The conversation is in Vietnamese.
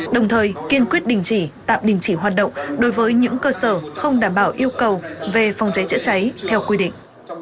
đồng thời kiên quyết đình chỉ tạm đình chỉ hoạt động đối với những cơ sở không đảm bảo yêu cầu về phòng cháy chữa cháy theo quy định